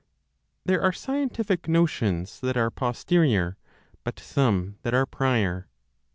THERE ARE SCIENTIFIC NOTIONS THAT ARE POSTERIOR, BUT SOME THAT ARE PRIOR.